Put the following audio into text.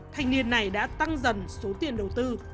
thanh niên này đã tăng dần số tiền đầu tư